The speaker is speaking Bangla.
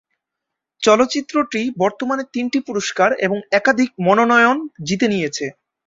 চলচ্চিত্রটি বর্তমানে তিনটি পুরস্কার এবং একাধিক মনোনয়ন জিতে নিয়েছে।